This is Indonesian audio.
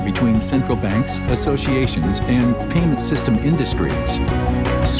selalu memperkembangkan keuntungan kris